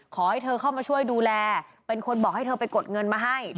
ขอให้เธอเข้ามาช่วยดูแลเป็นคนบอกให้เธอไปกดเงินมาให้